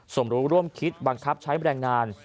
สมรู้ร่วมคิดบังคับใช้แรงงาน